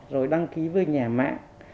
rồi đăng ký với nhà mạng